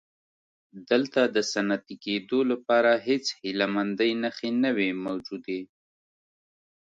دلته د صنعتي کېدو لپاره هېڅ هیله مندۍ نښې نه وې موجودې.